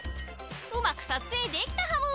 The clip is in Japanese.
うまく撮影できたはむぅ！